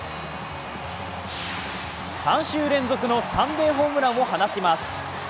３週連続のサンデーホームランを放ちます。